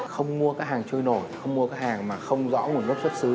không mua các hàng trôi nổi không mua các hàng mà không rõ một lớp xuất xứ